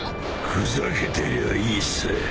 ふざけてりゃいいさ。